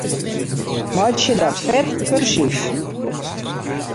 Meitsje dat fet kursyf.